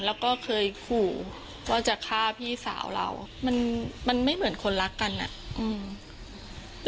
แล้วก็เคยขู่ว่าจะฆ่าพี่สาวเรามันมันไม่เหมือนคนรักกันอ่ะอืม